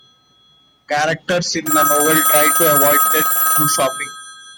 Characters in the novel try to avoid death through shopping.